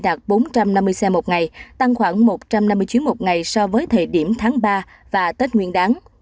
đạt bốn trăm năm mươi xe một ngày tăng khoảng một trăm năm mươi chuyến một ngày so với thời điểm tháng ba và tết nguyên đáng